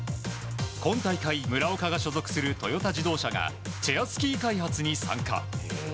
今大会、村岡が所属するトヨタ自動車がチェアスキー開発に参加。